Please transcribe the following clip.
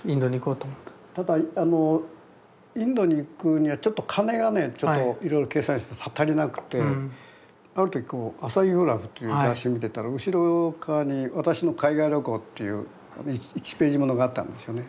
ただインドに行くにはちょっと金がねちょっといろいろ計算したら足りなくてある時こう「アサヒグラフ」という雑誌見てたら後ろ側に「私の海外旅行」っていう１ページものがあったんですよね